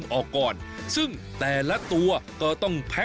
วันนี้พาลงใต้สุดไปดูวิธีของชาวเล่น